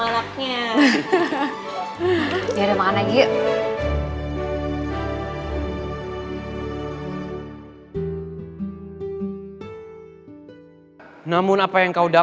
bukankah kamu itu misalnya mampu decirin siapa aja dah